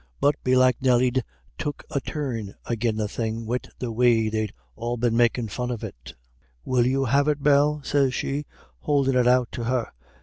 But belike Nelly'd took a turn agin the thing wid the way they'd all been makin' fun of it; for sez she, 'Will you have it, Bell?' sez she, houldin' it out to her.